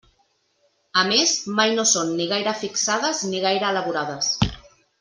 A més, mai no són ni gaire fixades ni gaire elaborades.